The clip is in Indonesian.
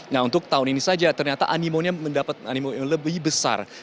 nah untuk tahun ini saja ternyata animonya mendapat animo yang lebih besar